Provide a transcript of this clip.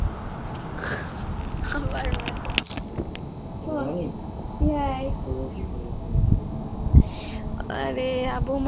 গতকাল বৃহস্পতিবার সকালে ঘটনাস্থল পরিদর্শন করেছেন অতিরিক্ত পুলিশ সুপার আবু মারুফ হোসেন।